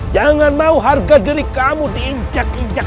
jangan mau harga diri kamu diinjak injak